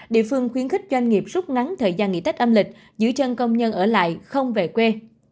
địa phương khuyến khích doanh nghiệp rút ngắn thời gian nghỉ tết âm lịch giữ chân công nhân ở lại không về quê